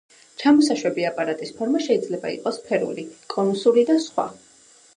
ჩამოსაშვები აპარატის ფორმა შეიძლება იყოს სფერული, კონუსური და სხვა.